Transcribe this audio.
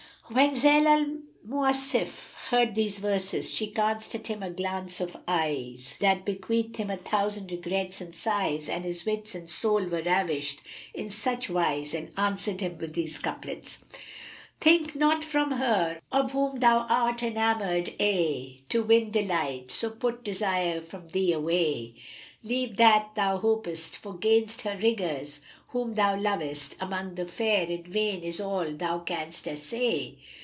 When Zayn al Mawasif heard his verses, she cast at him a glance of eyes, that bequeathed him a thousand regrets and sighs and his wits and soul were ravished in such wise, and answered him with these couplets[FN#321], "Think not from her, of whom thou art enamoured aye * To win delight; so put desire from thee away. Leave that thou hop'st, for 'gainst her rigours whom thou lov'st * Among the fair, in vain is all thou canst essay.